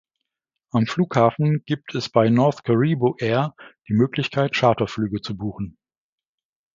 Am Flughafen gibt es bei North Cariboo Air die Möglichkeit, Charterflüge zu buchen.